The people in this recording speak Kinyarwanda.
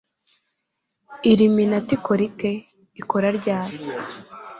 iluminati ikora ite? ikora ryari